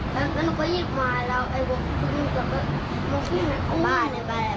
ทอดประติวะนั่นเสร็จแล้วหนูก็หยิบมาแล้วไอ่บุคซึงก็มาวิ่งของบ้านเลยไปแล้วไปแล้ว